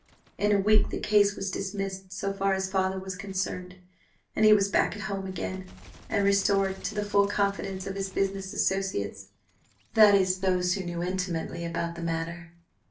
In a week the case was dismissed so far as father was concerned, and he was back at home again, and restored to the full confidence of his business associates that is, those who knew intimately about the matter.